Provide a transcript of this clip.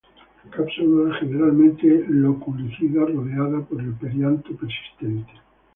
Cápsula generalmente loculicida, rodeada por el perianto persistente.